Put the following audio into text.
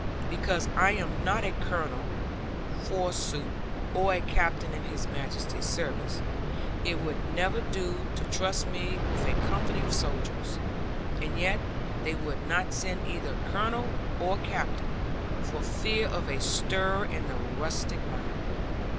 Because I am not a Colonel, forsooth, or a Captain in His Majesty's service, it would never do to trust me with a company of soldiers! And yet they would not send either Colonel or Captain, for fear of a stir in the rustic mind.